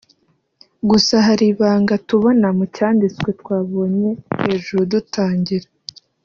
Gusa hari ibanga tubona mu cyanditswe twabonye hejuru dutangira